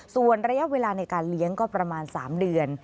ส่วนระยะเวลาในการเลี้ยงก็ประมาณ๓เดือน